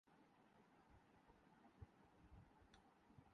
پاکستان میں سورج گرہن دن بارہ بجے دیکھا جا سکے گا